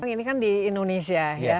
ini kan di indonesia ya